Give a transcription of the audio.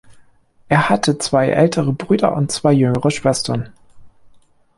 Er hatte zwei ältere Brüder und zwei jüngere Schwestern.